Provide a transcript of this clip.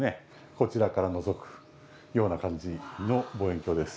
こちらからのぞくような感じの望遠鏡です。